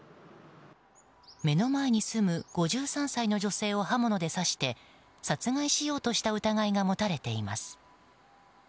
目の前に住む５３歳の女性を刃物で刺して殺害しようとした疑いが持たれています。